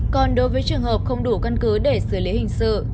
còn đối với trường hợp không đủ căn cứ để xử lý hình sự